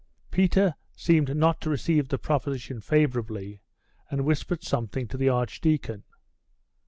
Peter seemed not to receive the proposition favourably, and whispered something to the archdeacon....